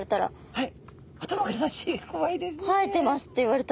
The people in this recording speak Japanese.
はい。